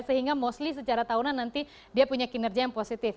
sehingga mostly secara tahunan nanti dia punya kinerja yang positif